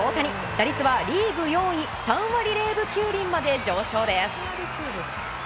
打率はリーグ４位３割０分９厘まで上昇です。